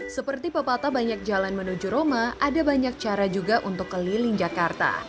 seperti pepatah banyak jalan menuju roma ada banyak cara juga untuk keliling jakarta